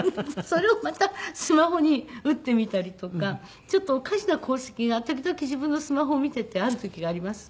それをまたスマホに打ってみたりとかちょっとおかしな痕跡が時々自分のスマホを見ていてある時があります。